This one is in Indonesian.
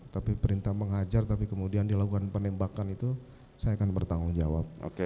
tapi perintah menghajar tapi kemudian dilakukan penembakan itu saya akan bertanggung jawab